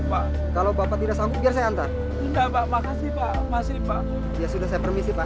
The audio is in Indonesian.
pak kalau bapak tidak sanggup biar saya antar enggak pak makasih pak makasih pak ya sudah saya permisi pak